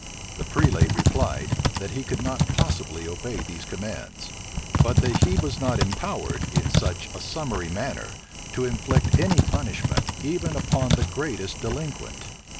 The prelate replied, that he could not possibly obey these commands; But that he was not empowered, in such a summary manner, to inflict any punishment even upon the greatest delinquent.